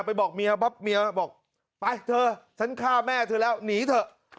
ไปเถอะฉันฆ่าแม่เถอะแล้วหนีเถอะ